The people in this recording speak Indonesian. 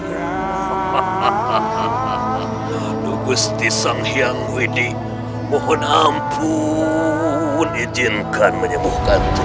hahaha nunggu stisang yang widi mohon ampun izinkan menyembuhkan tutup